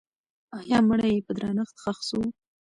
آیا مړی یې په درنښت ښخ سو؟